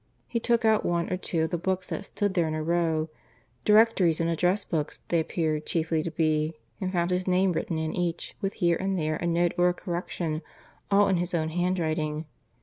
He took out one or two of the books that stood there in a row directories and address books they appeared chiefly to be and found his name written in each, with here and there a note or a correction, all in his own handwriting.